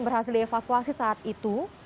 berhasil evakuasi saat itu